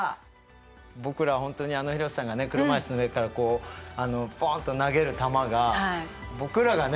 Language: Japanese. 僕ら本当にあの廣瀬さんが車いすの上からこうポンと投げる球が僕らがね